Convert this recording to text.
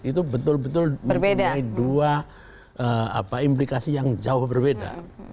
itu betul betul mempunyai dua implikasi yang jauh berbeda